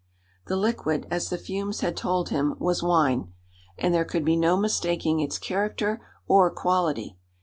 The liquid, as the fumes had told him, was wine, and there could be no mistaking its character or quality.